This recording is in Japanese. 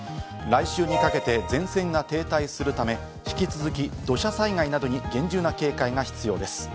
来週にかけて前線が停滞するため引き続き土砂災害などに厳重な警戒が必要です。